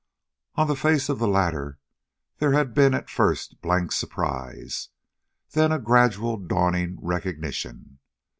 On the face of the latter there had been at first blank surprise, then a gradually dawning recognition.